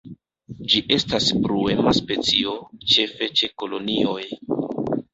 Ĝi estas bruema specio, ĉefe ĉe kolonioj.